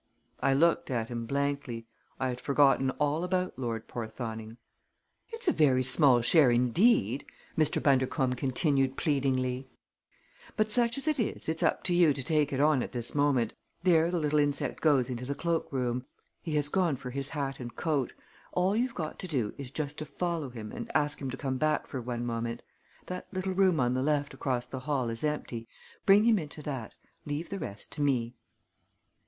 I looked at him blankly. I had forgotten all about Lord Porthoning. "It's a very small share indeed," Mr. Bundercombe continued pleadingly; "but such as it is it's up to you to take it on at this moment. There the little insect goes into the cloakroom. He has gone for his hat and coat. All you've got to do is just to follow him and ask him to come back for one moment. That little room on the left, across the hall, is empty. Bring him into that. Leave the rest to me."